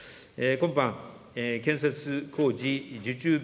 今般、建設工事受注